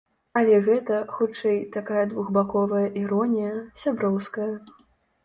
Але гэта, хутчэй, такая двухбаковая іронія, сяброўская.